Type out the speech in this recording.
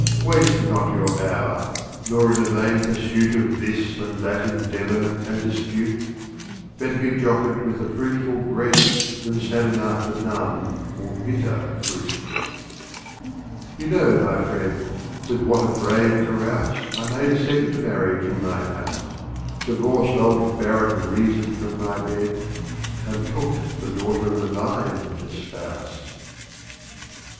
20 LIV. Waste not your Hour, nor in the Wh J . of Omar Vain pursuit Khayyam Of This and That endeavour and dispute ; Better be jocund with the fruit ful Grape Than sadden after none, or bitter, Fruit. LV. You know, my Friends, with what a brave Carouse I made a Second Marriage in my house ; Divorced old barren Reason from my Bed, And took the Daughter of the Vine to Spouse.